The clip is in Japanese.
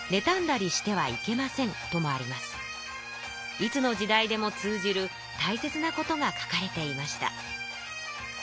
いつの時代でも通じるたいせつなことが書かれていました。